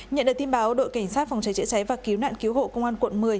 nhận được tin báo đội cảnh sát phòng cháy chữa cháy và cứu nạn cứu hộ công an quận một mươi